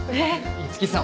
五木さん